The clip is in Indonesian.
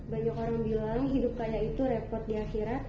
banyak orang bilang hidup kaya itu repot di akhirat